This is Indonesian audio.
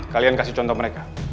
kalian kasih contoh mereka